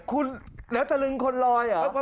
คุณแล้วตะลึงคนลอยเหรอ